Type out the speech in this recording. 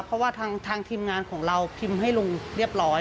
เพราะว่าทางทีมงานของเราพิมพ์ให้ลุงเรียบร้อย